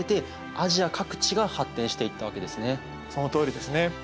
そのとおりですね。